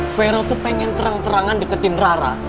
vero itu pengen terang terangan deketin rara